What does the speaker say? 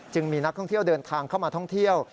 มีนักท่องเที่ยวเดินทางเข้ามาท่องเที่ยว